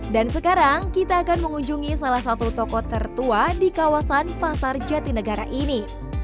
dan sekarang kita akan mengunjungi salah satu toko tertua di kawasan pasar jatinegara ini